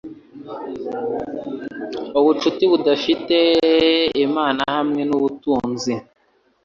ubucuti dufitanye n'Imana hamwe n'ubutunzi